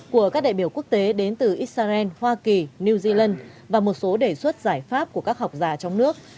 của các đại biểu quốc tế đến từ israel hoa kỳ new zealand và một số đề xuất giải pháp của các học giả trong nước